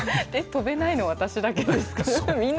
飛べないの、私だけですか？